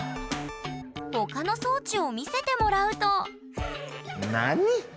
他の装置を見せてもらうと何？